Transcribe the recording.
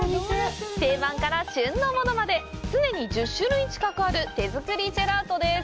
定番から旬のものまで常に１０種類近くある手作りジェラートです。